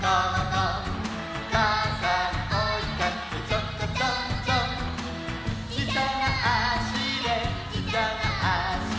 「かあさんおいかけちょこちょんちょん」「ちっちゃなあしでちっちゃなあしで」